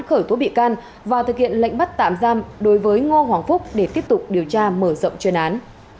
khởi tố bị can và thực hiện lệnh bắt tạm giam đối với ngô hoàng phúc để tiếp tục điều tra mở rộng chuyên án